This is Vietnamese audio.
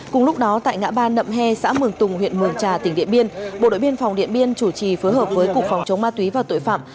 cùng lúc đó tại ngã ba nậm he xã mường tùng huyện mường trà tỉnh điện biên bộ đội biên phòng điện biên chủ trì phối hợp với cục phòng chống ma túy và tội phạm